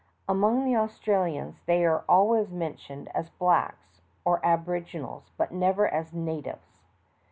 Among the Australians they are always mentioned as "blacks" or "abo riginals," but never as "natives."